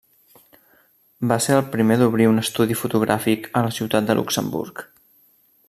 Va ser el primer d'obrir un estudi fotogràfic a la ciutat de Luxemburg.